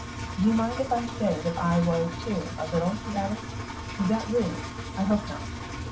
"Do you mind if I say that I was too, a little?" he added. "Is that rude? I hope not."